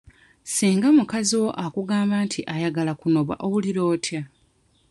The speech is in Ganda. Singa mukazi wo akugamba nti ayagala kunoba owulira otya?